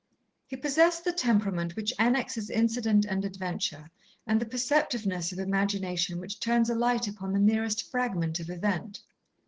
He possessed the temperament which annexes incident and adventure, and the perceptiveness of imagination which turns a light upon the merest fragment of event.